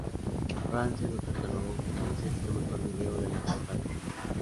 Francia lo catalogó como el sexto mejor video de la cantante.